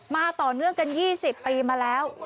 มาต่อเนื่องกัน๒๐ปีมาแล้ว